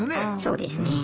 そうですね。